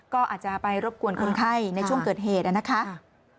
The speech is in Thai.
ก็อาจจะไปรบกวนคนไข้ในช่วงเกิดเหตุนะครับ